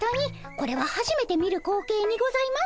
これははじめて見る光景にございます。